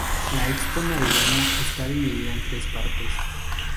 La Expo Navideña está dividida en tres partes.